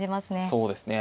そうですね。